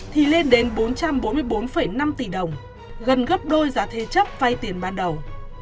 thì lên đến bốn trăm bốn mươi bốn năm tỷ đồng gần gấp đôi giá thế chấp vay tiền ban đầu